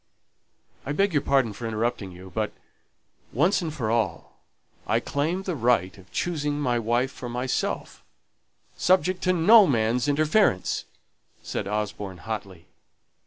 "I beg your pardon for interrupting you, but, once for all, I claim the right of choosing my wife for myself, subject to no man's interference," said Osborne, hotly.